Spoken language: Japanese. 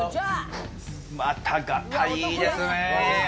また、がたいいいですね。